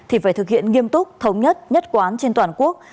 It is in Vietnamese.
thì phải thực hiện nghiêm túc thống nhất nhất quán trên toàn quốc